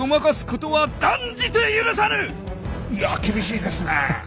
いやあ厳しいですねえ！